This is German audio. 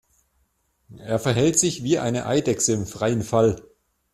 Er verhält sich wie eine Eidechse im freien Fall.